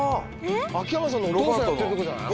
秋山さんのお父さんやってるとこじゃない？